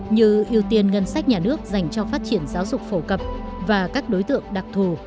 như ưu tiên ngân sách nhà nước dành cho phát triển giáo dục phổ cập và các đối tượng đặc thù